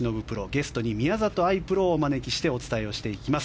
ゲストに宮里藍プロをお招きしてお伝えしていきます。